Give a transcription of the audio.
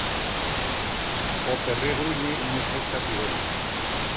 O perret grunye y muestra os catirons.